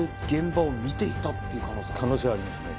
可能性はありますね。